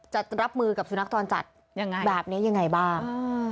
จะรับมือกับสุนัขจรจัดแบบนี้ยังไงบ้าง